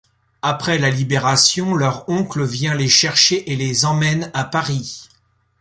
Après la Libération, leur oncle vient les chercher et les emmène à Paris.